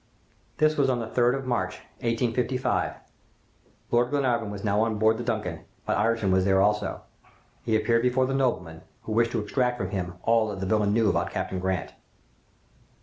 "This was on the 3rd of March, 1855. Lord Glenarvan was now on board the 'Duncan,' but Ayrton was there also. He appeared before the nobleman, who wished to extract from him all that the villain knew about Captain Grant.